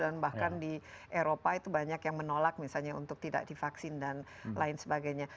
dan bahkan di eropa itu banyak yang menolak misalnya untuk tidak divaksin dan lain sebagainya